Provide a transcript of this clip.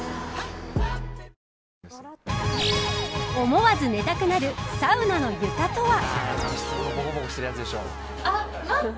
思わず寝たくなるサウナの床とは。